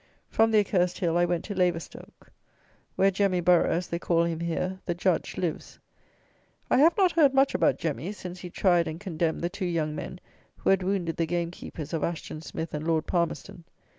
From the Accursed Hill I went to Laverstoke where "Jemmy Burrough" (as they call him here), the Judge, lives. I have not heard much about "Jemmy" since he tried and condemned the two young men who had wounded the game keepers of Ashton Smith and Lord Palmerston.